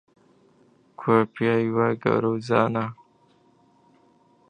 کوا پیاوی وا گەورە و زانا؟